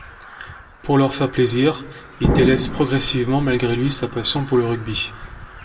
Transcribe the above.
Pour leur faire plaisir, il délaisse progressivement, malgré lui, sa passion pour le rugby.